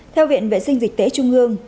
theo viện vệ sinh dịch tễ trung ương